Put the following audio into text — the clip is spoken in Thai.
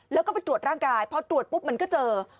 แล้วก็ไปตรวจร่างกายพอตรวจปุ๊บมันก็เจอ